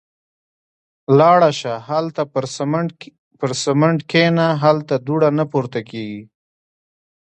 – لاړه شه. هالته پر سمڼت کېنه. هلته دوړه نه پورته کېږي.